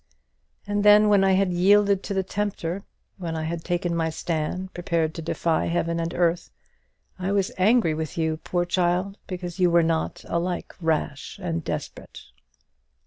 And then, when I had yielded to the tempter, when I had taken my stand, prepared to defy heaven and earth, I was angry with you, poor child, because you were not alike rash and desperate.